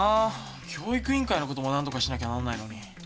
教育委員会のことも何とかしなきゃなんないのに。